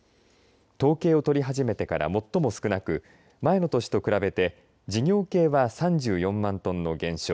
統計を取り始めてから最も少なく前の年と比べて事業系は３４万トンの減少